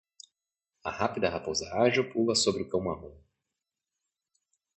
A rápida raposa ágil pula sobre o cão marrom